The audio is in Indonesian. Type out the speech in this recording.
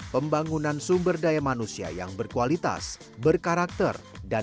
pembangunan sumber daya manfaat dan kemampuan kota lubuk linggau adalah hal yang sangat penting